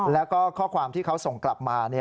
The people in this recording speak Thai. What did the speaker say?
แล้วก็ข้อความที่เขาส่งกลับมา